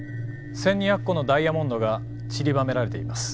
１，２００個のダイヤモンドがちりばめられています。